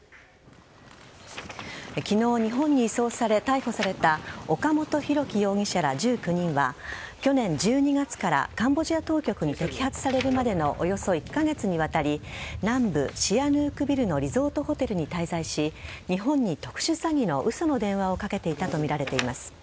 昨日、日本に移送され逮捕された岡本大樹容疑者ら１９人は去年１２月からカンボジア当局に摘発されるまでのおよそ１カ月にわたり南部・シアヌークビルのリゾートホテルに滞在し日本に特殊詐欺の嘘の電話をかけていたとみられます。